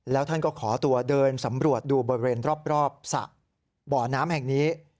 แล้วท่านก็ขอตัวเดินสำรวจดูบริเวณรอบสระบ่อน้ำแห่งนี้